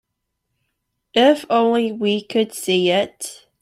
If only we could see it.